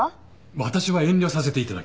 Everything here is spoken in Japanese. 私は遠慮させていただきます。